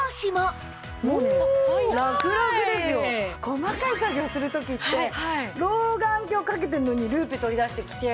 細かい作業する時って老眼鏡かけてるのにルーペ取り出してきて。